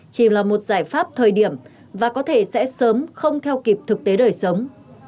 chỉ là một giải pháp thời điểm và có thể sẽ sớm không theo kịp thực tế đời sống